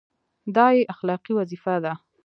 دا یې اخلاقي وظیفه ده.